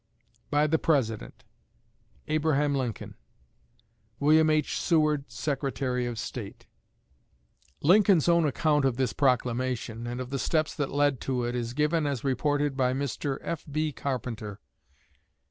By the President: ABRAHAM LINCOLN. WILLIAM H. SEWARD, Secretary of State. Lincoln's own account of this proclamation, and of the steps that led to it, is given as reported by Mr. F.B. Carpenter.